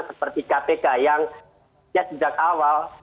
seperti kpk yang sejak awal